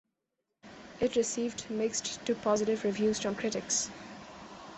It received mixed to positive reviews from critics.